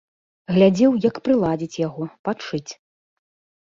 Глядзеў, як прыладзіць яго, падшыць.